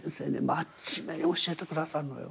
真面目に教えてくださるのよ。